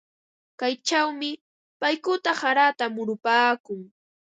Kaychawmi paykuna harata murupaakun.